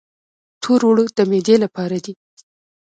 تور اوړه د معدې لپاره دي.